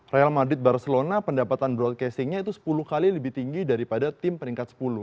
real madrid barcelona pendapatan broadcastingnya itu sepuluh kali lebih tinggi daripada tim peringkat sepuluh